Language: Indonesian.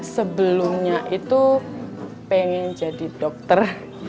sebelumnya itu pengen jadi dokter